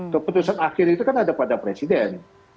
keputusan akhirnya kan ada pada presiden